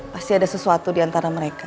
pasti ada sesuatu diantara mereka